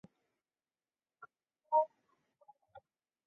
与完全摄影写真的不是一个概念。